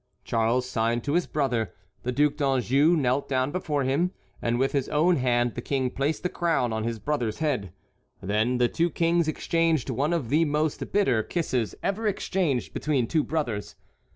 Charles signed to his brother, the Duc d'Anjou knelt down before him, and with his own hand the King placed the crown on his brother's head. Then the two kings exchanged one of the most bitter kisses ever exchanged between two brothers.